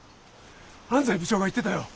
安西部長が言ってたよ。